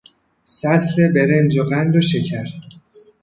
سطل برنج و قند و شکر